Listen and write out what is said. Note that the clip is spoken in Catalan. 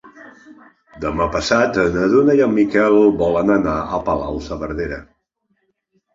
Demà passat na Duna i en Miquel volen anar a Palau-saverdera.